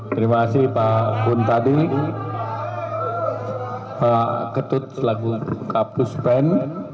terima kasih pak kuntadi pak ketut selagu kapuspen